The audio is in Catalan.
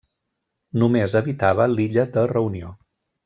Només habitava l'illa de Reunió.